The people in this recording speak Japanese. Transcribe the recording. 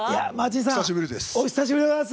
お久しぶりです。